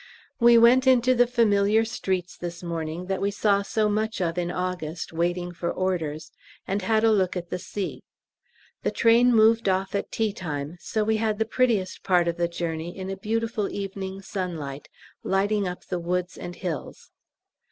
We went into the familiar streets this morning that we saw so much of in August, "waiting for orders," and had a look at the sea. The train moved off at tea time, so we had the prettiest part of the journey in a beautiful evening sunlight, lighting up the woods and hills.